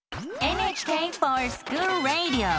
「ＮＨＫｆｏｒＳｃｈｏｏｌＲａｄｉｏ」！